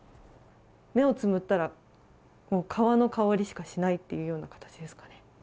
目をつむったら皮の香りしかしないというような感じですかね。